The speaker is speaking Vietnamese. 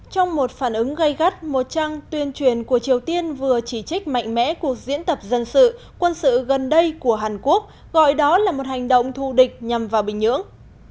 trong một phản ứng gây gắt một trang tuyên truyền của triều tiên vừa chỉ trích mạnh mẽ cuộc diễn tập dân sự quân sự gần đây của hàn quốc gọi đó là một hành động thù địch nhằm vào bình nhưỡng